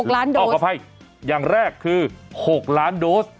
๖ล้านโดสอ้อประไพรอย่างแรกคือ๖ล้านโดส